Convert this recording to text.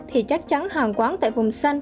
thì chắc chắn hàng quán tại vùng xanh